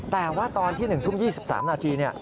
แต่ว่าตอนที่๑ทุ่ม๒๓นาที